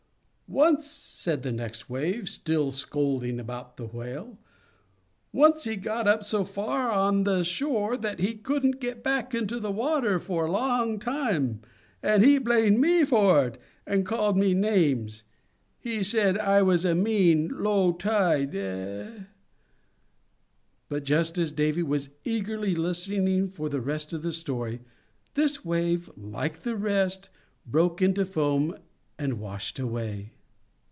"Once," said the next Wave, still scolding about the Whale, "once he got so far up on the shore that he couldn't get back into the water for a long time, and he blamed me for it, and called me names. He said I was a mean, low tide;" but just as Davy was eagerly listening for the rest of the story this Wave, like the rest, broke into foam and washed away.